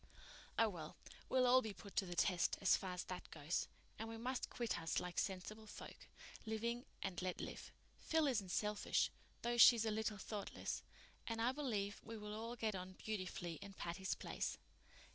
"Oh, well, we'll all be put to the test, as far as that goes. And we must quit us like sensible folk, living and let live. Phil isn't selfish, though she's a little thoughtless, and I believe we will all get on beautifully in Patty's Place."